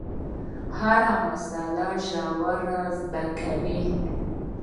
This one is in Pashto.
هره مسئله ژر زده کوي.